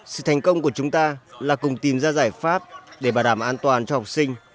sự thành công của chúng ta là cùng tìm ra giải pháp để bảo đảm an toàn cho học sinh